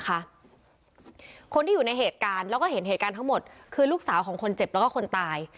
คนที่อยู่ในเหตุการณ์แล้วก็เห็นเหตุการณ์ทั้งหมดคือลูกสาวของคนเจ็บแล้วก็คนตาย